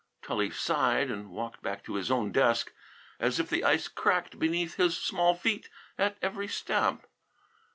Tully sighed and walked back to his own desk, as if the ice cracked beneath his small feet at every step.